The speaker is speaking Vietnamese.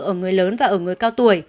ở người lớn và ở người cao tuổi